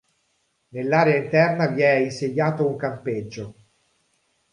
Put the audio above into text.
Nell'area interna vi è insediato un campeggio.